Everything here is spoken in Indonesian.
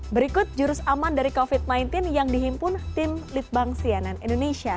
berikut jurus aman dari covid sembilan belas yang dihimpun tim litbang cnn indonesia